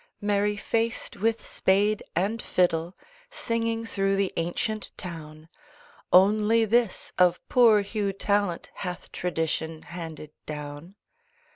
Merry faced, with spade and fiddle, Singing through the ancient town, Only this, of poor Hugh Tallant Hath Tradtion handed down.